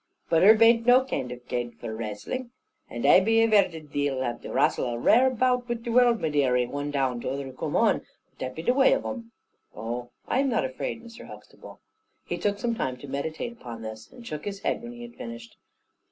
But her bain't no kaind of gude for rarstling? and ai be aveared thee'll have to rarstle a rare bout wi the world, my dearie: one down, tother coom on, that be the wai of 'un." "Oh, I am not afraid, Mr. Huxtable." He took some time to meditate upon this, and shook his head when he had finished.